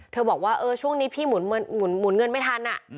บอกว่าช่วงนี้พี่หมุนเงินไม่ทัน